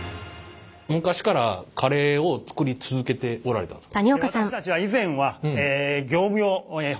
昔からカレーを作り続けておられたんですか？